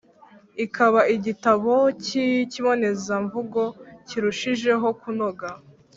ikaba igitabo k’ikibonezamvugo kirushijeho kunoga.